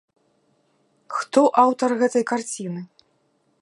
Хто аўтар гэтай карціны?